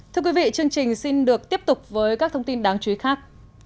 thưa quý vị chương trình xin được tiếp tục với các thông tin đáng chú ý khác